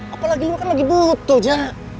apalagi lu kan lagi butuh jack